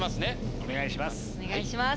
お願いします。